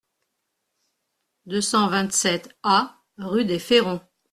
deux cent vingt-sept A rue des Ferrons